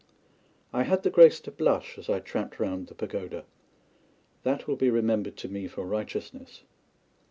I had the grace to blush as I tramped round the pagoda. That will be remembered to me for righteousness.